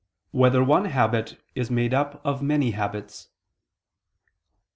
4] Whether One Habit Is Made Up of Many Habits?